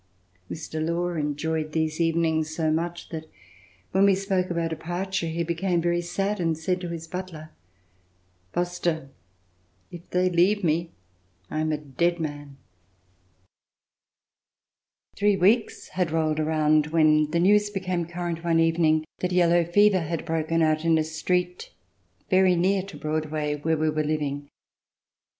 Mr. Law enjoyed these even ings so much that when we spoke of our departure, he became very sad and said to his butler, ''Foster, if they leave me, I am a dead man." Three weeks had rolled around when the news became current one evening that yellow fever had broken out in a street very near to Broadway, where we were living.